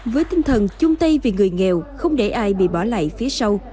với tinh thần chung tay vì người nghèo không để ai bị bỏ lại phía sau